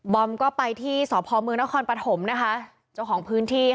อมก็ไปที่สพมนครปฐมนะคะเจ้าของพื้นที่